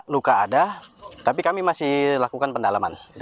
luka ada tapi kami masih lakukan pendalaman